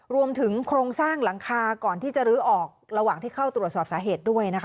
รวมถึงโครงสร้างหลังคาก่อนที่จะลื้อออกระหว่างที่เข้าตรวจสอบสาเหตุด้วยนะคะ